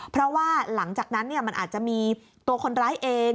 เพราะว่าหลังจากนั้นมันอาจจะมีตัวคนร้ายเอง